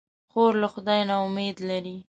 خور له خدای نه امید لري.